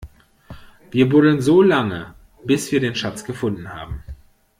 Wir buddeln so lange, bis wir den Schatz gefunden haben!